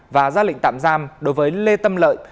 và ra lệnh tạm giam đối với lê tâm lợi